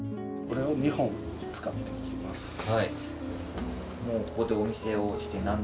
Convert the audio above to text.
これを２本使っていきます。